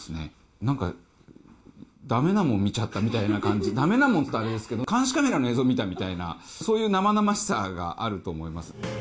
なんかだめなもの見ちゃったみたいな感じ、だめなものってあれなんですけど、監視カメラの映像見たみたいな、そういう生々しさがあると思います。